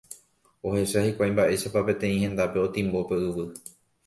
Ohecha hikuái mba'éichapa peteĩ hendápe otimbo pe yvy.